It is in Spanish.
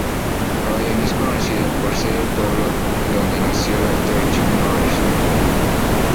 Ryan es conocido por ser el pueblo donde nació el actor Chuck Norris.